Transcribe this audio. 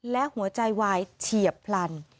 และหัวใจวายเฉียบพลัน